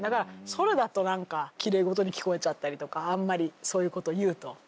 それだと何かきれい事に聴こえちゃったりとかあんまりそういうことを言うと。